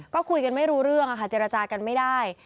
ก็คุยกันไม่รู้เรื่องค่ะเจรจากันไม่ได้